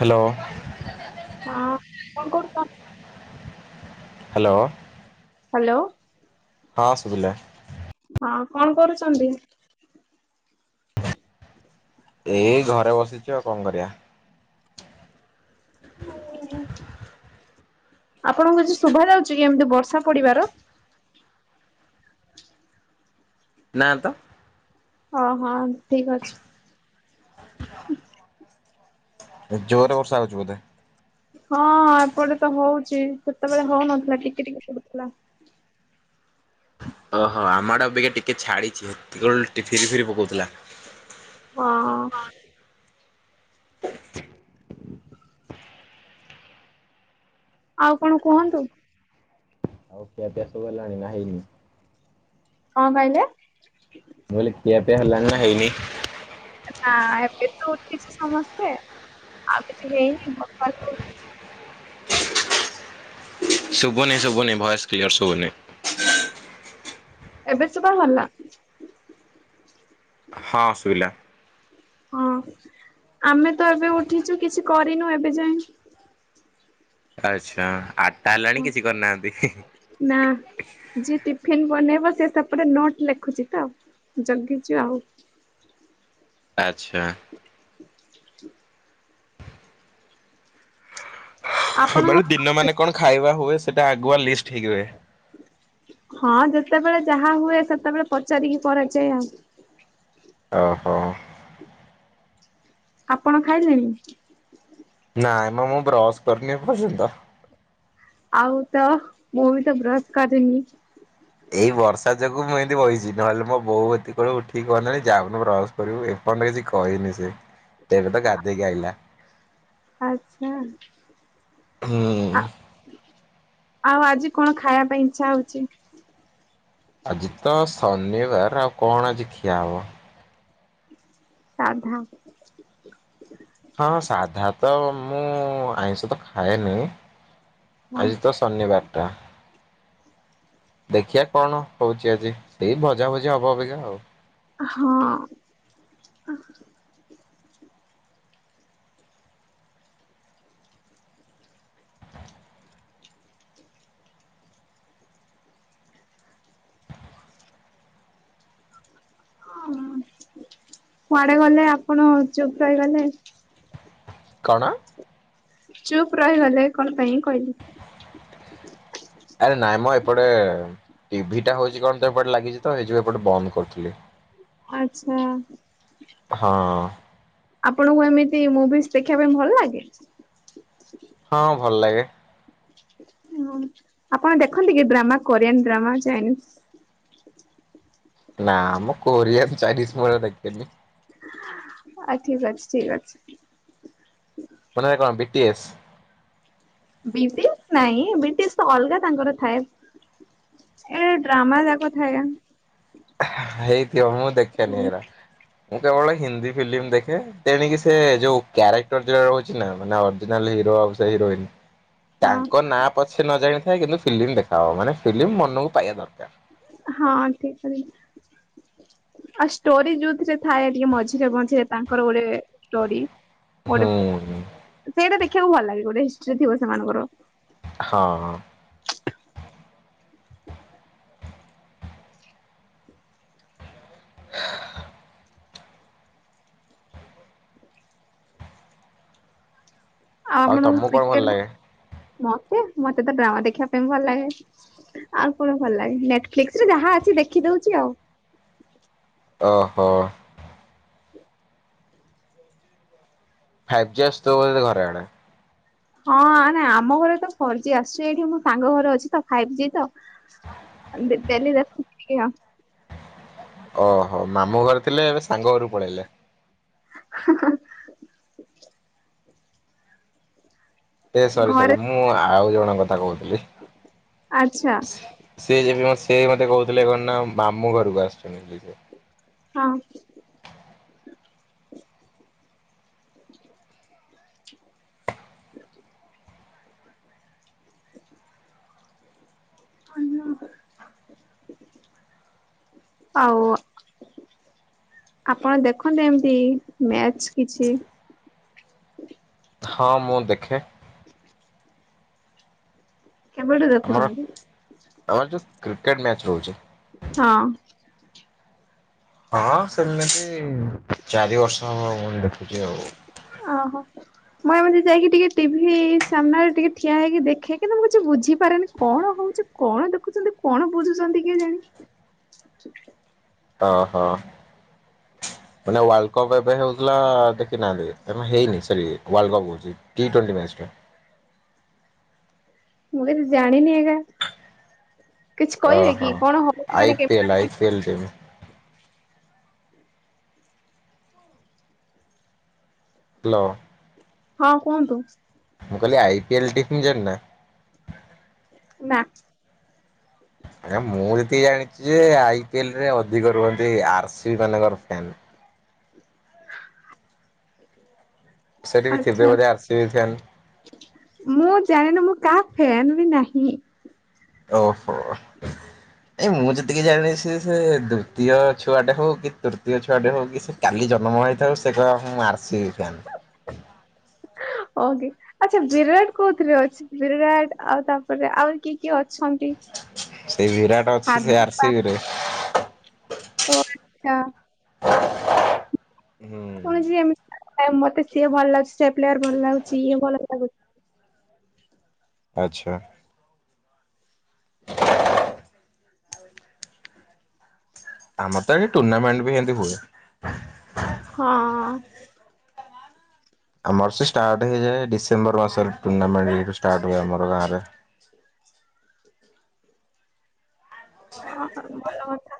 Hello. ହଁ କଣ କରୁଚ? ହ୍ୟାଲୋ। ହ୍ୟାଲୋ। ହଁ ଶୁଭିଲା। ହଁ କଣ କରୁଚନ୍ତି? ଏଇ ଘରେ ବସିଚୁ ଆଉ କଣ କରିବା। ଆପଣଙ୍କୁ କିଛି ଶୁଭା ଯାଉଛି କି ଏମିତି ବର୍ଷା ପଡ଼ିବାର? ନାଁ ତ। ହଁ ହଁ ଠିକ ଅଛି। ହ [unintelligible] ଜୋରେ ବର୍ଷା ହେଉଛି ବୋଧେ? ହଁ ଏପଟେ ତ ହଉଚି ସେତେବେଳେ ହଉନଥିଲା ଟିକେ ଟିକେ ପଡୁଥିଲା। ଓହୋ ଆମ ଆଡ଼େ ଅବିକା ଟିକେ ଛାଡିଛି ହେତେଳୁ ଟିକେ ଟିକେ ପାଉଥିଲା। ଆଁ। ଆଉ କଣ କୁହନ୍ତୁ? ଆଉ ଖିଆ ପିଆ ସବୁ ହେଲାଣି ନା ହେଇନି? କଣ କହିଲେ? ମୁଁ କହିଲି ଖିଆ ପିଆ ହେଲାଣି ନା ହେଇନି? ନା ଏବେ ତ ଉଠିଛି ସମସ୍ତେ ଆଉ କିଛି ହେଇନି ଵକରକୁ। ଶୁଭୁନି ଶୁଭୁନି ଭଏସ୍ କ୍ଲିୟର ଶୁଭୁନି? ଏବେ ସୁ ବା ହାଲା? ହଁ ସୁବିଲା। ହଁ ଆମେ ତ ଏବେ ଉଠିଛୁ କିଛି କରିନୁ ଏବେ ଯାଏ। ଆଚ୍ଛା ଆଟା ହେଲାଣି କିଛି କରିନାହାନ୍ତି? ନାଁ। ଯିଏ ଟିଫିିନ୍ ବନେଇବ ସେ ସେପଟେ ନୋଟ୍ ଲେଖୁଛି ତ ଜଗିଛୁ ଆଉ। ଆଚ୍ଛା। [inaudible] ହା ମାନେ ଦିନ ଆପଣଙ୍କ ମାନେ କଣ ଖାଇବା ହୁଏ ସେଇଟା ଆଗୁଆ ଲିଷ୍ଟ ହେଇକି ରୁହେ। ହଁ ଯେତେବେଳେ ଯାହା ହୁଏ ସେତେବେଳେ ପଚାରିକି କରାଯାଏ ଆଉ ଓହୋ। ଆପଣ ଖାଇଲେଣି? ନାଇଁମ ମୁଁ ବ୍ରସ୍ କରିନି ଏ ପର୍ଯ୍ୟନ୍ତ। ଆଉ ତ ମୁଁ ବି ତ ବ୍ରସ୍ କରିନି। ଏଇ ବର୍ଷା ଯୋଗୁ ମୁଁ ଏମିତି ବଇଚି ନହେଲେ ମୋ ବୋଉ ଏତିକି କଳୁ ଉଠିକି କହନ୍ତାଣି ଯାଉନୁ ବ୍ରସ୍ କରିବୁଏପନ୍ତ କିଛି କହିନି ସେ। [inaudible] ଦେବେ ତ ଗାଧେଇକିଆଇଲା। ଆଛା ହୁଁ ଆ। ଆଉ ଆଜି କଣ ଖାଇବା ପାଇଁ ଇଛା ହଉଚି? ଆଜି ତ ଶନିବାର ଆଉ କଣ ଆଜି ଖିଆ ହବ। ସାଧା। ହଁ ସାଧା ତ ମୁଁ ଆଇଁଷ ତ ଖାଏନି ହଁ। ଆଜି ତ ଶନିବାରଟା। ଦେଖିଆ କଣ ହଉଚି ଆଜି ସେଇ ଭଜାଭଜି ହବ ଅବିକା ଆଉ। ହଁ। ହ କୁଆଡେ ଗଲେ ଆପଣ ଚୁପ ରହିଗଲେ। କଣ? ଚୁପ୍ ରହିଗଲେ କଣ ପାଇଁ କହିଲି? ଆରେ ନାଇଁ ମ ଏପଟେ ଟିଭି ଟା ହଉଛି କଣ ତ ଏପଟ ଲାଗିଚି। ତ ଏଇଯୋଉ ଏପଟେ ବନ୍ଦ କରୁଥିଲି। ଆଚ୍ଛା। ହଁ। ଆପଣଙ୍କୁ ଏମିତି ମୁଭିଜି୍ ଦେଖିବା ପାଇଁ ଭଲ ଲାଗେ? ହଁ ଭଲ ଲାଗେ। ମାଁ ଆପଣ ଦେଖନ୍ତି କି ଡ୍ରାମା କୋରିଆନ୍ ଡ୍ରାମା ଚାଇନିସି୍। ନା ମୋ କୋରିଆ ଚାଇନିଜ ମୁଁ [unintelligible] ଦେଖେନି। ଆ ଠିକ ଅଛି ଠିକ ଅଛି। [unintelligible] କଣ ବିିଟି ଏସ୍ ବିଟିସ୍ ନାଇଁ ବିଟିସ୍ ତ ଅଲଗା ତାଙ୍କର ଥାଏ। ଏ ଡ୍ରାମା ଯାକ ଥାଏ ଆଁ ହେଇଥିବ ମୁଁ ଦେଖେନି ଏଗୋରା। ମୁଁ କେବଳ ହିନ୍ଦୀ ଫିଲ୍ମ ଦେଖେ ତେଣିକି ସେ ଯୋଉ କ୍ୟାରେକ୍ଟର ଯୋ ରହୁଛି ନା ମାନେ ଅରିଜିନାଲ ହିରୋ। ସେ ହିରୋଇନ୍। ହ ତାଙ୍କ ନାଁ ପଛେ ନ ଜାଣିଥାଏ କିନ୍ତୁ ଫିଲ୍ମ ଦେଖା ହବ ମାନେ ଫିଲ୍ମ ମନକୁ ପାଇବା ଦରକାର। ହଁ ଠିକ। [unintelligible] ଆଉ ଷ୍ଟୋରି ଯୋଉଥିରେ ଥାଏ ଟିକେ ମଝିରେ ମଝିରେ ତାଙ୍କର ଗୋରେ ଷ୍ଟୋରି। ଗୋଟେ ହୁଁ ସେଇଟା ଦେଖିବାକୁ ଭଲ ଲାଗେ ଗୋଟେ ହିଷ୍ଟ୍ରି ଥିବ ସେମାନଙ୍କର। ହଁ। ଆଉ ଆପଣ ତମକୁ କଣ ଭଲ କ୍ରିକେଟ ଲାଗେ? ମତେ ମତେ ତ ଡ୍ରାମା ଦେଖିବା ପାଇଁ ଭଲ ଲାଗେ। ଆଉ କଣ ଭଲ ଲାଗେ ନେଟଫ୍ଲିକ୍ସ ରେ ଯାହା ଅଛି ଦେଖି ଦଉଚି ଆଉ। ଓହୋ। ଫାଇଭ୍ ଜି ଆସୁଥିବ ବୋ ଘରେ ଏଡା। ହଁ ନାଇଁ ଆମ ଘରେ ତ ଫୋର ଜି ଆସୁଛି ଏଇଠି ମୁଁ ସାଙ୍ଗ ଘରେ ଅଛି ତ ଫାଇଭ ଜି ତ। [unintelligible] ଦେଖୁଚି ଟିକେ ଆଉ ଓହୋ ମାମୁଁ ଘରେ ଥିଲେ ଏବେ ସାଙ୍ଗ ଘରୁ ପଳେଇଲେ। ହଁ ହଁ ଏ ସରି ଘରେ ସରି ମୁଁ ଆଉ ଜଣଙ୍କ କଥା କହୁଥିଲି। ଆଚ୍ଛା ସେ ଏ ସେ ମତେ କହୁଥିଲେ କଣ ନା ମାମୁଁ ଘରକୁ ଆସିଛନ୍ତି ବୋଲି ସେ। ହଁ। ଆଉ ଆପଣ ଦେଖନ୍ତି ଏମିତି ମ୍ୟାଚ କିଛି ହଁ ମୁଁ ଦେଖେ। କେବେଢୁ ଆମର ଦେଖୁଛନ୍ତି। ଆମର ଯୋଉ କ୍ରିକେଟ ମ୍ୟାଚ ରହୁଛି। ହଁ। ହଁ [unintelligible] ଚାରି ବର୍ଷବ ମୁ ଦେଖୁଚି ଆଉ। ଆ ହୋ। ମୁଁ ଏମିତି ଯାଇକି ଟିକିଏ ଟିଭି ସାମ୍ନାରେ ଟିକେ ଠିଆ ହେଇକି ଦେଖେ କିନ୍ତୁ ମୁଁ କିଛି ବୁଝିପାରେନି କଣ ହଉଛି। କଣ ଦେଖୁଛନ୍ତି କଣ ବୁଝୁଛନ୍ତି କିଏ ଜାଣି। ଅ ହ। ମାନେ ୱାର୍ଲଡ କପ୍ ଏବେ ହଉଥିଲା ଦେଖିନାହାନ୍ତି ଏବେ ହେଇନି ସରି ୱାର୍ଲ କପ କହୁଛି। ଟି ଟ୍ୱଣ୍ଟି୍ ମ୍ୟାଚ ଟା ମୁଁ କିଛି ଜାଣିନି ଏରା ଆଜ୍ଞା କିଛି କହିବେ ଓହୋ କି କଣ ହବ ସେ ଆଇ ମାନେ କେ- [unintelligible] ହାଲୋ। ହଁ କୁହନ୍ତୁ। ମୁଁ କହିଲି ଆଇ ପିଏଲ ଟିମ୍ ଜାଣିନ ନା। ନା। ଆଜ୍ଞା ମୁଁ ଯେତିକି ଜାଣିଚି ଯେ ଆଇ ପି ଏଲ ରେ ଅଧିକ ରୁହନ୍ତି ଆର୍ ସିବି ବାଲାଙ୍କର ଫ୍ୟାନ୍। ସେଠି ବି ଥିବେ ଆଚ୍ଛା ବୋଧେ ଆରସିବି ଫ୍ୟାନ। ମୁଁ ଜାଣିନି ମୁଁ କାହା ଫ୍ୟାନ୍ ବି ନାହିଁ। ଓହୋ। ଏଇ ମୁଁ ଯେତିକି ଜାଣିସି ସେ ଦ୍ବିତୀୟ ଛୁଆଟେ ହଉ କି ତୃତୀୟ ଛୁଆଟେ ହଉ କି ସେ କାଲି ଜନ୍ମ ହେଇଥାଉ ସେ କହିବ ମୁ ଆରସିବି ଫ୍ୟାନ୍। ଓଃ କି ଆଚ୍ଛା ବିରାଟ କୋଉଥିରେ ଅଛି ବିରାଟ ଆଉ ତାପରେ ଆଉ କି କିଏ ଅଛନ୍ତି ସେଇ ବିରାଟ ଅଛି ସେ ଆର ହାର୍ଦ୍ଦିକ ସି ପା ବି ରେ। ଓ ଆଚ୍ଛା। ହୁଁ। ଶୁଣିଚି ଏମ୍ ନାଇଁ ମତେ ସିଏ ଭଲ ଲାଗୁଛି ସେ ପ୍ଲେୟାର ଭଲ ଲାଗୁଛି ଇଏ ଭଲ ଲାଗୁ ଆଚ୍ଛା। ଆମର ତ ଏ ଟୁର୍ଣ୍ଣାମେଣ୍ଟ ବି ଏମିତି ହୁଏ। ହଁ। ଆମର ସେ ଷ୍ଟାର୍ଟ ହେଇଯାଏ ଡିସେମ୍ବର ମାସରେ ଟୁର୍ଣ୍ଣାମେଣ୍ଟ ଏଇଠୁ ଷ୍ଟାର୍ଟ ହୁଏ ଆମର ଗାଁରେ। ହଁ ହଁ ଭଲ କଥା।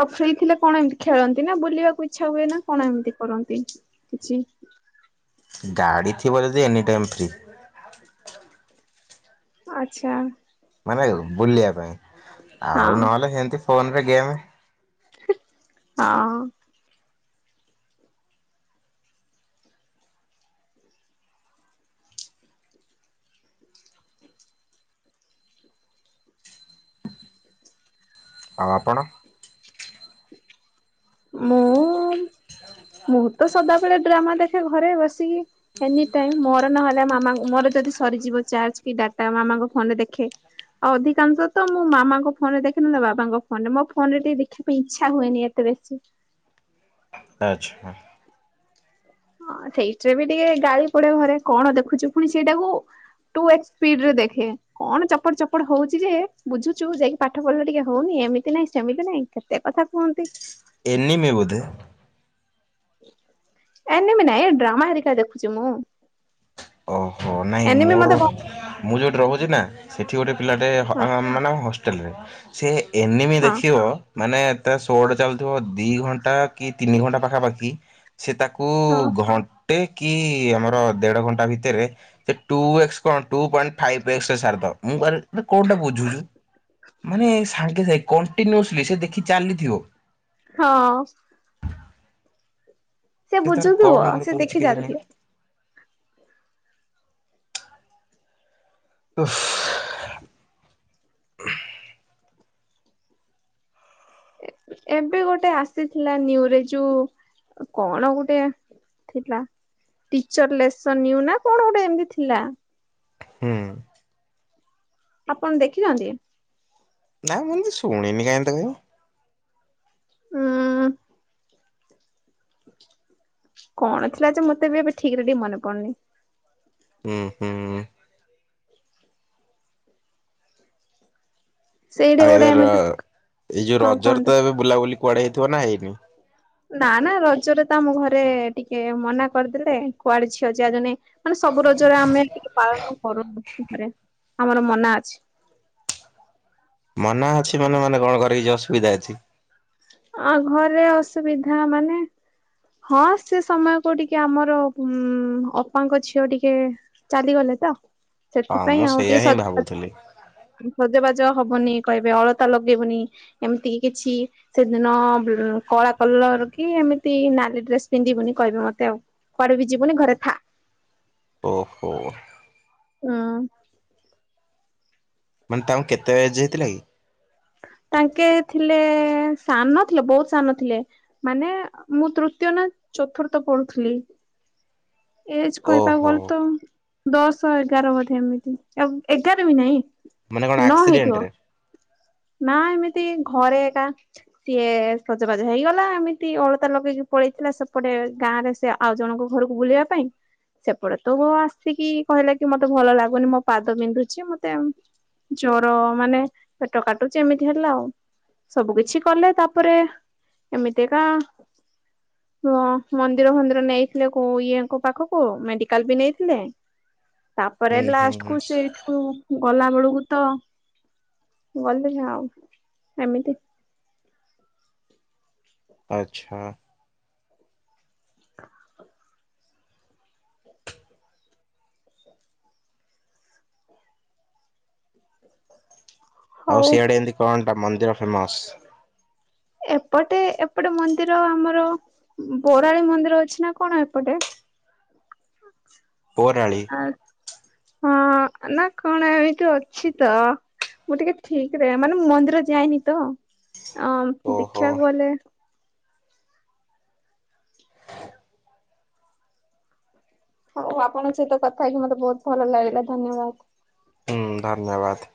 ଆଉ ଫ୍ରି ଥିଲେ କଣ ଏମିତି ଖେଳନ୍ତି ନା ବୁଲିବାକୁ ଇଚ୍ଛା ହୁଏ ନା କଣ ଏମିତି କରନ୍ତି କିଛି? ଗାଡ଼ି ଥିବ ଯଦି ଏନି ଟାଇମ୍ ଫ୍ରି। ଆଛା। ମାନେ ବୁଲିବା ପାଇଁ ଆଉ ହଁ ନହେଲେ ସେମତି ଫୋନରେ ଗେମ୍। ଆଁଅ ଆଉ ଆପଣ? ମୁଁ ମୁଁ ତ ସଦାବେଳେ ଡ୍ରାମା ଦେଖେ ଘରେ ବସିକି। ଏନିଟାଇମ୍ ମୋର ନହେଲେ ମାମା ମୋର ଯଦି ସରିଯିବ ଚାର୍ଜ କି ଡ଼ାଟା ମାମାଙ୍କ ଫୋନରେ ଦେଖେ। ଆଉ ଅଧିକାଂଶ ତ ମୁଁ ମାମାଙ୍କ ଫୋନରେ ଦେଖେ ନହେନେ ବାବାଙ୍କ ଫୋନରେ ମୋ ଫୋନରେ ଟିକେ ଦେଖିବା ପାଇଁ ଇଚ୍ଛା ହୁଏନି ଏତେ ବେଶୀ। ଆଚ୍ଛା। ହଁ ସେଇଠିରେ ବି ଟିକେ ଗାଳି ପଡ଼ିବ ଘରେ କଣ ଦେଖୁଛୁ ପୁଣି ସେଇଟାକୁ ଟୁ ଏକ୍ସ ସ୍ପିଡ଼ରେ ଦେଖେ। କଣ ଚପଟ ଚପଟ ହଉଚି ଯେ ବୁଝୁଛୁ ଯାଇକି ପାଠ ପଢ଼ିଲେ ଟିକେ ହଉନି ଏମିତି ନାଇଁ ସେମିତି ନାଇଁ। କେତେ କଥା କୁହନ୍ତି। ଏନିମେ ବୋଧେ? ଏନିମି ନାଇଁ ଏ ଡ୍ରାମା ହେରିକା ଦେଖୁଛି ମୁଁ। ଓହୋ ନାଇଁ ଏନିମି ମୋର ମତେ ବ ମୁଁ ଯୋଉଠି ରହୁଛି ନା ସେଠି ଗୋଟେ ପିଲାଟେ ଅ ହଁ ହ ମାନେ ହଷ୍ଟେଲରେ ସେ ଏନିମି ହଁ ଦେଖିବ ମାନେ ତା ସୋ ଟା ଚାଲୁଥିବ ଦି ଘଣ୍ଟା କି ତିନି ଘଣ୍ଟା ପାଖାପାଖି। ସେ ତାକୁ ହଁ ଘଣ୍ଟେ କି ଆମର ଦେଢ଼ ଘଣ୍ଟା ଭି ତେରେ ଏ ଟୁ ଏକ୍ସ କଣ ଟୁ ପଏଣ୍ଟ ଫାଇବ ଏକ୍ସ ରେ ସାରିଦବ ମୁ ଭାରି ମାନେ କଣ୍ଟା ବୁଝୁଛୁ ମାନେ ସାଙ୍ଗେ ସାଙ୍ଗେ କଣ୍ଟିନୁସଲି ସେ ଦେଖି ଚାଲିଥିବ। ହଁ। ସେ ତାର ବୁଝୁଥୁବୁ କଣ ଗୋଟେ ସେ କହୁଛି ଦେଖି କେଜାଣି ଚାଲିଥିବ। [unintelligible] ଏବେ ଗୋଟେ ଆସିଥିଲା ନ୍ୟୁରେ ଯୋଉ କଣ ଗୋଟେ ଥିଲା ଟିଚର ଲେସନ ନିୟୁ ନା କଣ ଗୋଟେ ଏମତି ଥିଲା। ହୁଁ। ଆପଣ ଦେଖିଛନ୍ତି? ନାଇ ମୁଁ ଶୁଣିନି କାଇଁ କେବେ। ହୁଁ। କଣ ଥିଲା ଯେ ମୋତେ ବି ଏବେ ଠିକରେ ଟିକେ ମନେ ପଡୁନି। ହୁଁ ହୁଁ। ସେଇଠି ଆଉ ଗୋଟେ ଏବେ ଏମିତି ଏଇ ଯୋଉ ହଁ ରଜରେ କୁହନ୍ତୁ। ତ ଏବେ ବୁଲାବୁଲି କୁଆଡେ ହେଇଥିବ ନା ହେଇନି। ନା ନା ରଜରେ ତ ଆମ ଘରେ ଟିକେ ମନା କରିଦେଲେ କୁଆଡେ ଝିଅ ଯାଆନି। ମାନେ ସବୁ ରୋଜରେ ଆମେ ପାଳନ କରୁନୁରେ ଆମର ମନା ଅଛି। ମନା ଅଛି ମାନେ ମାନେ କଣ କରିକିଛି ଅସୁବିଧା ଅଛି। ଆ ଘରେ ଅସୁବିଧା ମାନେ- ହଁ ସେ ସମୟକୁ ଟିକେ ଆମର ଉ ଅପାଙ୍କ ଝିଅ ଟିକେ- ଚାଲିଗଲେ ତ ହଁ ମୁଁ ସେଥିପାଇଁ ଆଉ ସେଇଆ ଟିକେ ହିଁ ସଜ ବା - ଭାବୁଥିଲି। ସଜବାଜ ହବନି କହିବେ ଅଳତା ଲଗେଇବୁନି ଏମିତି କିଛି। ସେଦିନ କଳା କଲର କି ଏମିତି ନାଲି ଡ୍ରେସ ପିନ୍ଧିବୁନି କହିବେ ମୋତେ ଆଉ। କୁଆଡେ ବି ଯିବୁନି ଘରେ ଥା। ଓ ହୋ। ହୁଁ। ମାନେ ତାଙ୍କୁ କେତେ ଏଜ ହେଇଥିଲା କି? ତାଙ୍କେ ଥିଲେ ସାନ ଥିଲେ ବହୁତ ସାନ ଥିଲେ। ମାନେ ମୁଁ ତୃତୀୟ ନା ଚତୁର୍ଥ ପଢୁଥିଲି। ଏଜ କହିବାକୁ ଓହୋ ଗଲେ ତ ଦଶ ଏଗାର ବୋଧେ। ଏମିତି ଆଉ ଏଗାର ବି ନାଇଁ ମାନେ କଣ ଆକ୍ସିଡେଣ୍ଟ ରେ? ନା ଏମିତି ଘରେ ଏକା। ସିଏ ସଜବାଜ ହେଇଗଲା ଏମିତି ଅଳତା ଲଗେଇକି ପଳେଇଥିଲା ସେପଟେ ଗାଁ ରେ ସେ ଆଉ ଜଣଙ୍କ ଘରକୁ ବୁଲିବା ପାଇଁ ସେପଟେ ତୋ ବୋଉ ଆସିକି କହିଲା କି ମୋତେ ଭଲ ଲାଗୁନି ମୋ ପାଦ ବିନ୍ଧୁଛି ମୋତେ ଜର ମାନେ ପେଟ କାଟୁଛି ଏମିତି ହେଲା ଆଉ ସବୁ କିଛି କଲେ ତାପରେ ଏମିତି ଏକା। ହଁ ମନ୍ଦିର ଫନ୍ଦିର ନେଇଥିଲେ କୋ ଇଏଙ୍କ ପାଖକୁ ମେଡିକାଲ ବି ନେଇଥିଲେ। ତାପରେ ହୁଁ ହୁଁ ଲାଷ୍ଟ ହୁଁ। କୁ ସେଇଠୁ ଗଲା ବେଳକୁ ତ। ଗଲେ ନା ଆଉ ଏମିତି। ଆଛା। ଆଉ ହଉ ସିଆଡେ ଏମିତି କଣ ଟା ମନ୍ଦିର ଫେମସ୍? ଏପଟେ ଏପଟେ ମନ୍ଦିର ଆମର ବରାଳି ମନ୍ଦିର ଅଛି ନା କଣ ଏପଟେ? ବୋରାଳି। ଆ ହଁ ନା କଣ ଏମିତି ଅଛି ତ। ମୁଁ ଟିକେ ଠିକରେ ମାନେ ମୁ ମନ୍ଦିର ଯାଇନି ତ ଅଁ ଓହୋ ଦେଖିବାକୁ ଗଲେ ହଉ ଆପଣଙ୍କ ସହିତ କଥା ହେଇକି ମୋତେ ବହୁତ ଭଲ ଲାଗିଲା ଧନ୍ୟବାଦ। ହୁଁ ଧନ୍ୟବାଦ।